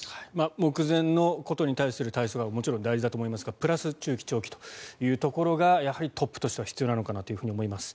目前のことに対する対策は大切だと思いますがプラス、中長期ということがやはりトップとしては必要なのかなと思います。